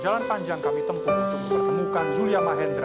jalan panjang kami tempuh untuk mempertemukan zulia mahendra